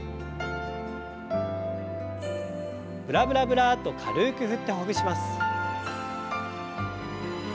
ブラブラブラッと軽く振ってほぐします。